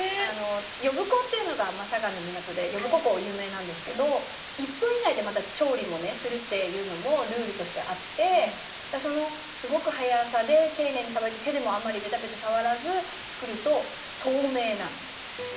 あの呼子っていうのが佐賀の港で呼子港有名なんですけど１分以内でまた調理もねするっていうのもルールとしてあってそのすごく速さで丁寧にさばいて手でもあんまりベタベタ触らず作ると透明なんです。